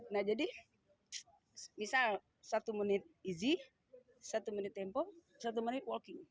nah jadi misal satu menit easy satu menit tempo satu menit walking